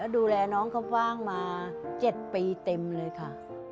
ดูแลน้องเขาว่างมา๗ปีเต็มเลยค่ะ